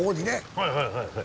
はいはいはいはい。